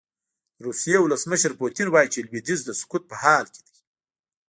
د روسیې ولسمشر پوتین وايي چې لویدیځ د سقوط په حال کې دی.